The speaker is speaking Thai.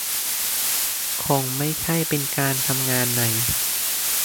คงไม่ใช่เป็นการทำงานใน